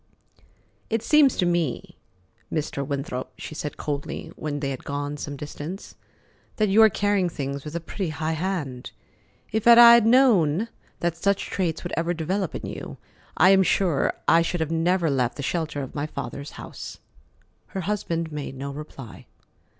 "It seems to me, Mr. Winthrop," she said coldly, when they had gone some distance, "that you are carrying things with a pretty high hand. If I had known that such traits would ever develop in you, I am sure I should never have left the shelter of my father's house." Her husband made no reply.